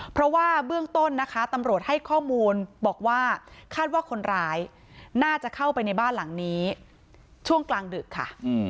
เพราะว่าเบื้องต้นนะคะตำรวจให้ข้อมูลบอกว่าคาดว่าคนร้ายน่าจะเข้าไปในบ้านหลังนี้ช่วงกลางดึกค่ะ